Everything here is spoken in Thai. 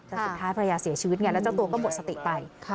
แต่สุดท้ายภรรยาเสียชีวิตไงแล้วเจ้าตัวก็หมดสติไป